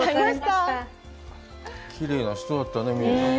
きれいな人だったね、みねさん。